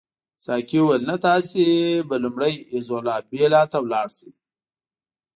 ساقي وویل نه تاسي به لومړی ایزولا بیلا ته ولاړ شئ.